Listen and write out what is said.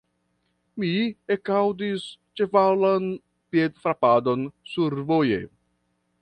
Mi ekaŭdis ĉevalan piedfrapadon survoje.